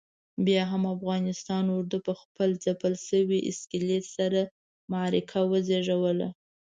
بیا هم افغانستان اردو پخپل ځپل شوي اسکلیت سره معرکه وزېږوله.